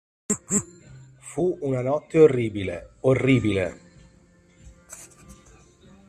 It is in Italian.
Fu una notte orribile, orribile.